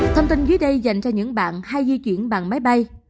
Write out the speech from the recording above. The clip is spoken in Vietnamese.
thông tin dưới đây dành cho những bạn hay di chuyển bằng máy bay